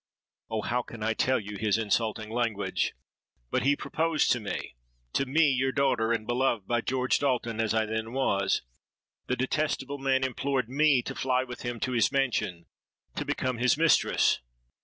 Oh! how can I tell you his insulting language?—but he proposed to me—to me, your daughter, and beloved by George Dalton as I then was,—the detestable man implored me to fly with him to his mansion—to become his mistress!'